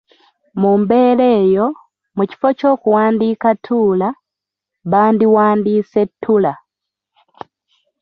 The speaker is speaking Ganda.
Mu mbeera eyo, mu kifo ky’okuwandiika ‘Tuula’ bandiwandiise ‘Ttula’.